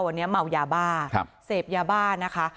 วันนี้เมายาบ้าเสพยาบ้านะคะ